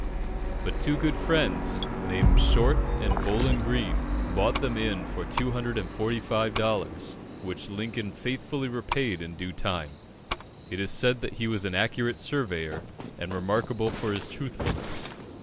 But two good friends, named Short and Bowlin Greene, bought them in for 245 dollars, which Lincoln faithfully repaid in due time. It is said that he was an accurate surveyor, and remarkable for his truthfulness.